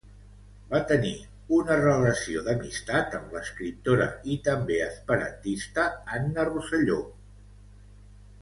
Va tenir una relació d'amistat amb l'escriptora i també esperantista Anna Rosselló.